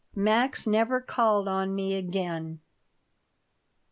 Max never called on me again.